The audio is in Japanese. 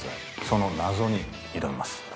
その謎に挑みます。